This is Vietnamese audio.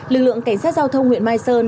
lực lượng cảnh sát giao thông huyện mai sơn